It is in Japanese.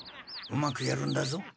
うまくやるんだぞ。